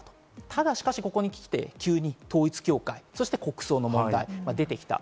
ただここへきて急に統一教会、そして国葬の問題が出てきた。